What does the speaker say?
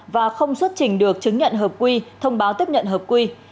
và không xuất trình được chứng nhận hợp quy thông báo tiếp nhận hợp quy